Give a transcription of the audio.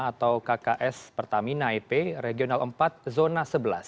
atau kks pertamina ip regional empat zona sebelas